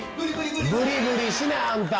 ブリブリしないあんた！